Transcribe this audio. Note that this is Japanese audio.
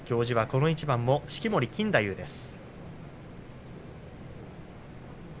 この一番も行司は式守錦太夫です。